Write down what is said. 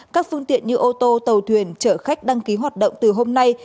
các phương tiện như ô tô tàu thuyền chở khách đăng ký hoạt động từ hôm nay